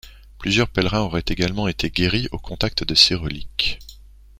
Plusieurs pèlerins auraient également été guéris au contact de ses reliques.